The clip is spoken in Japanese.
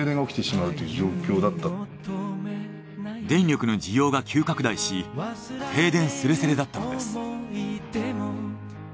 電力の需要が急拡大し停電すれすれだったのです。